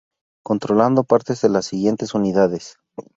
Controlando partes de las siguientes unidades